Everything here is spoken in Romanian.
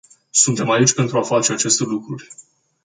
Suntem aici pentru a face aceste lucruri.